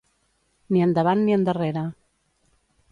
Ni endavant, ni endarrere.